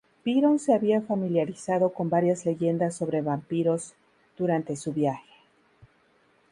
Byron se había familiarizado con varias leyendas sobre vampiros durante su viaje.